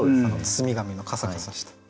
包み紙のカサカサした。